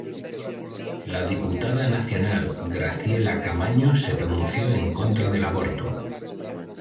La diputada nacional Graciela Camaño se pronunció en contra del aborto.